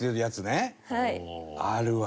あるわ！